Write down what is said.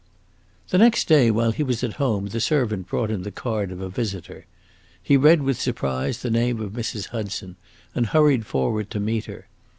The next day, while he was at home, the servant brought him the card of a visitor. He read with surprise the name of Mrs. Hudson, and hurried forward to meet her.